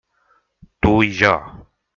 Tu i jo.